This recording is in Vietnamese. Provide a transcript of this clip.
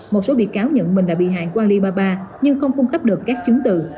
một số bị cáo nhận mình là bị hại của alibaba nhưng không cung cấp được các chứng tự